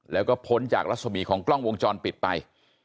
แล้วก็พ้นจากรัศมีของกล้องวงจรปิดไป